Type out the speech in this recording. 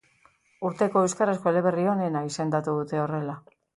Urteko euskarazko eleberri onena izendatu dute horrela.